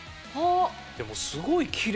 でもすごいきれい。